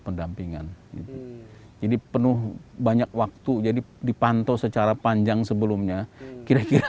pendampingan jadi penuh banyak waktu jadi dipantau secara panjang sebelumnya kira kira